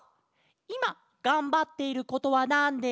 「いまがんばっていることはなんですか？」。